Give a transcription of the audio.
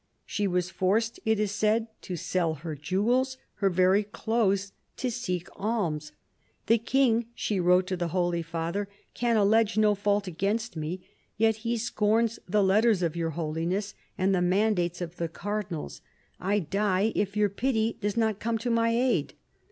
She was forced, it is said, to sell her jewels, her very clothes, to seek alms. " The king," she wrote to the Holy Father, " can allege no fault against me, yet he scorns the letters of your holiness and the mandates of the cardinals. I die if your pity does not come to my aid."